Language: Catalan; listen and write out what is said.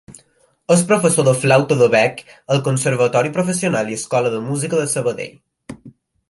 És professor de flauta de bec al Conservatori Professional i Escola de Música de Sabadell.